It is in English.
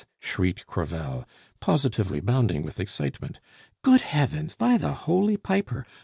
shrieked Crevel, positively bounding with excitement. "Good Heavens! by the Holy Piper!